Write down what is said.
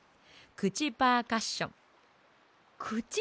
くちパーカッション！